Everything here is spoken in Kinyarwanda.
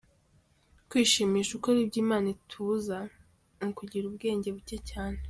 Kwishimisha ukora ibyo imana itubuza, ni ukugira ubwenge buke cyane.